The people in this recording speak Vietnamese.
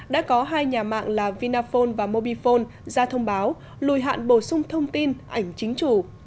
đã có hai nhà mạng là vinaphone và mobifone ra thông báo lùi hạn bổ sung thông tin ảnh chính chủ